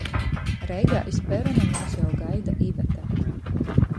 Reigā iz perona myus jau gaida Iveta.